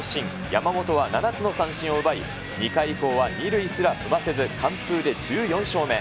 山本は７つの三振を奪い、２回以降は２塁すら踏ませず完封で１４勝目。